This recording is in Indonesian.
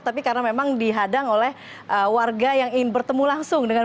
tapi karena memang dihadang oleh warga yang ingin bertemu langsung dengan